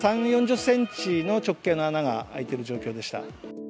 ３、４０センチの直径の穴が開いている状況でした。